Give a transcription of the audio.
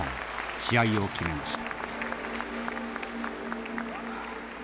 試合を決めました。